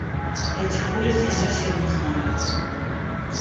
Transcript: Этих улиц я совсем не знаю.